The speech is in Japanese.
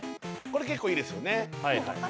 これ結構いいですよね